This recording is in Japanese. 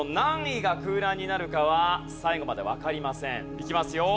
いきますよ。